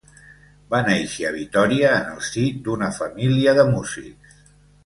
Va nàixer a Vitòria en el si d'una família de músics.